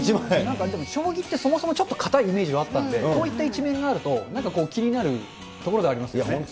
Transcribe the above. なんかでも将棋ってそもそもかたいイメージがあったので、こういった一面があると、なんか気になるところがありますよね。